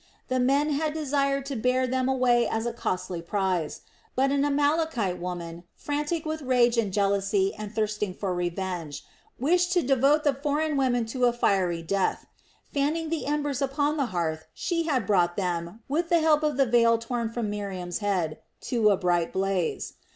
The men had desired to bear them away as a costly prize; but an Amalekite woman, frantic with rage and jealousy and thirsting for revenge, wished to devote the foreign women to a fiery death; fanning the embers upon the hearth she had brought them, with the help of the veil torn from Miriam's head, to a bright blaze.